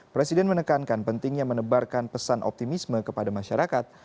presiden menekankan pentingnya menebarkan pesan optimisme kepada masyarakat